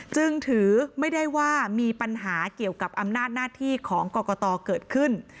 จึงถือไม่ได้ว่ามีปัญหาเกี่ยวกับอำนาจหน้าที่ของกรกตเกิดขึ้น